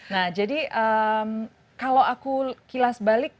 nah jadi kalau aku kilas balik